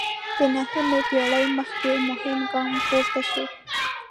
د نهمې پېړۍ مخکې مهم ګام پورته شو.